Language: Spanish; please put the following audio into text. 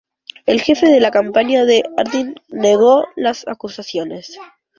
El jefe de la campaña de Harding negó las acusaciones.